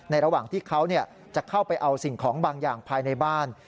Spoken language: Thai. ระหว่างที่เขาจะเข้าไปเอาสิ่งของบางอย่างภายในบ้าน